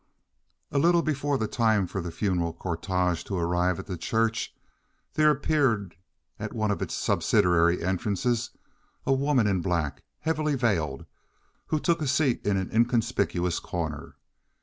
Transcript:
A little before the time for the funeral cortege to arrive at the church there appeared at one of its subsidiary entrances a woman in black, heavily veiled, who took a seat in an inconspicuous corner.